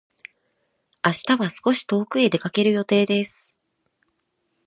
明日は少し遠くへ出かける予定です。